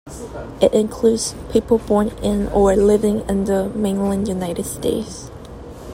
It includes people born in or living in the mainland United States.